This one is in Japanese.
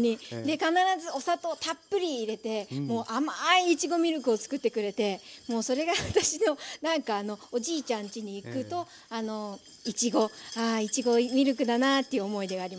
必ずお砂糖たっぷり入れてもう甘いいちごミルクをつくってくれてもうそれが私のなんかあのおじいちゃんちに行くといちごあいちごミルクだなという思い出があります。